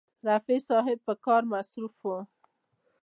رفیع صاحب په کار مصروف و.